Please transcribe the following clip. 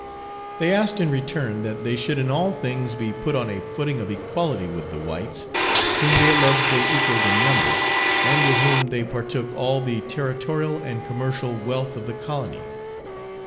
They asked in return that they should in all things be put on a footing of equality with the whites, whom they alleged they equalled in number, and with whom they partook all the territorial and commercial wealth of the colony.